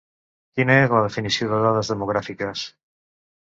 Quina és la definició de dades demogràfiques?